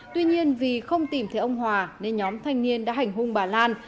tuy nhiên vì không tìm thấy ông hòa nên nhóm thanh niên đã hành hung bà lan